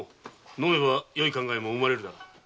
飲めばよい考えも生まれよう。